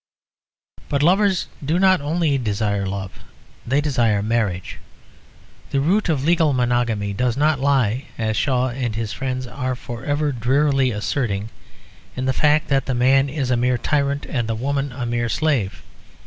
But lovers do not only desire love; they desire marriage. The root of legal monogamy does not lie (as Shaw and his friends are for ever drearily asserting) in the fact that the man is a mere tyrant and the woman a mere slave.